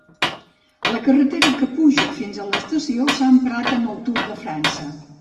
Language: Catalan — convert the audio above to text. La carretera que puja fins a l'estació s'ha emprat en el Tour de França.